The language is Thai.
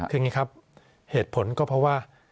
คืออย่างนี้ครับเหตุผลก็เพราะว่า